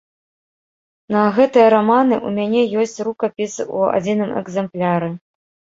На гэтыя раманы ў мяне ёсць рукапіс у адзіным экзэмпляры.